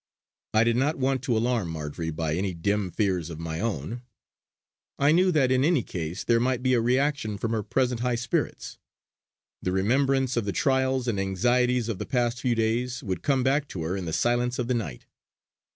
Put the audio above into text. I did not want to alarm Marjory by any dim fears of my own; I knew that, in any case, there might be a reaction from her present high spirits. The remembrance of the trials and anxieties of the past few days would come back to her in the silence of the night.